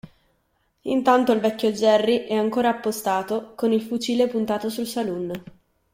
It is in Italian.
Intanto il vecchio Jerry è ancora appostato col fucile puntato sul saloon.